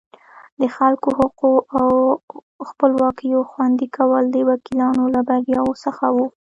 د خلکو حقوقو او خپلواکیو خوندي کول د وکیلانو له بریاوو څخه وو.